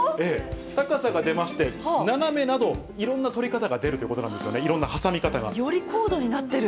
高さが出まして、斜めなど、いろんな取り方が出るということなんですよね、より高度になってる。